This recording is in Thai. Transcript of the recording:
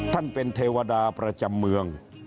ท่านเป็นเทวดาประจำเมือง